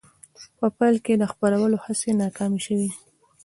په پیل کې د خپرولو هڅې ناکامې شوې.